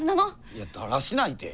いや「だらしない」て。